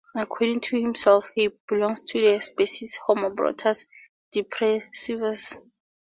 According to himself, he belongs to the species "Homo Brotus Depressivus".